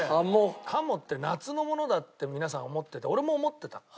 ハモって夏のものだって皆さん思ってて俺も思ってた。